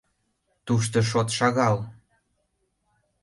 Тушто шот шагал.